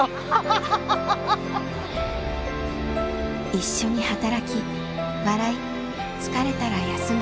一緒に働き笑い疲れたら休む。